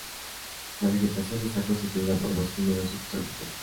La vegetación está constituida por bosque húmedo subtropical.